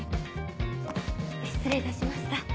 失礼いたしました。